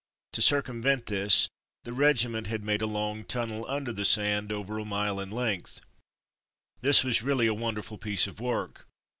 To circumvent this, the regiment had made a long tunnel under the sand, over a mile in length. This was really a wonderful piece of work.